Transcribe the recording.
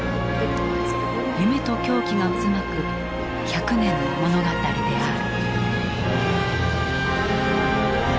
夢と狂気が渦巻く１００年の物語である。